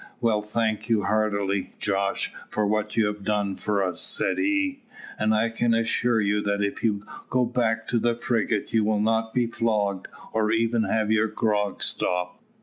"Well, thank you heartily, Jos, for what you have done for us," said he. "And I can assure you, that if you go back to the frigate, you will not be flogged, or even have your grog stopped."